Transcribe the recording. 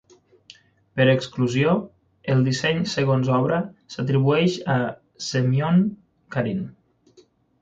Per exclusió, el disseny segons obra s'atribueix a Semyon Karin.